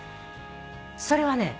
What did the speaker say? それはね